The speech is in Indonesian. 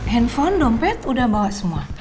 handphone dompet udah bawa semua